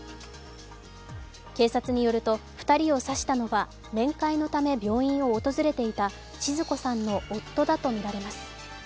警察によると、２人を刺したのは面会のため病院を訪れていたちづ子さんの夫だとみられます。